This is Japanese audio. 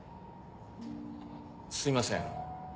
すいません。